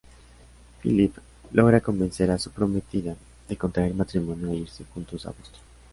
Philip logra convencer a su prometida de contraer matrimonio e irse juntos a Boston.